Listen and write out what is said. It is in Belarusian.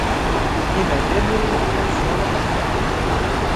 І наведвальнікі касцёла таксама.